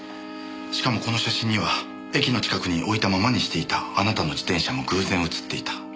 しかもこの写真には駅の近くに置いたままにしていたあなたの自転車も偶然写っていた。